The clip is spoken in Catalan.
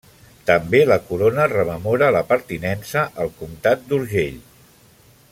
També la corona rememora la pertinença al comtat d'Urgell.